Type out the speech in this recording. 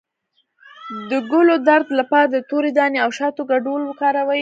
د ګلو درد لپاره د تورې دانې او شاتو ګډول وکاروئ